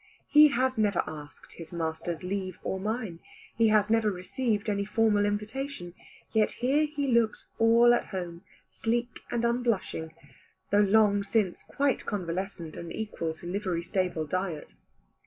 He has never asked his master's leave or mine, he has never received any formal invitation, yet here he looks all at home, sleek and unblushing, though long since quite convalescent and equal to livery stable diet.